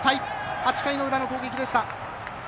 ８回の裏の攻撃でした。